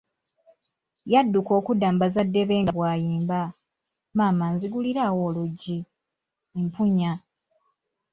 Yadduka okudda mu bazzadde be nga bw'ayimba, maama nzigulirawo oluggi, mpunya.